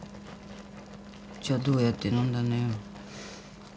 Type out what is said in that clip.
じゃあどうやって飲んだのよ。